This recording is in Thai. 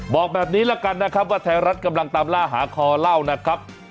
บอกแบบนี้ละกันนะครับว่าไทยรัฐกำลังตามล่าหาคอเล่านะครับ